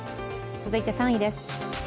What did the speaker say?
続いて３位です。